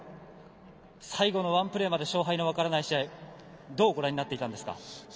最後のワンプレーまで勝敗の分からない試合をどうご覧になっていたんですか。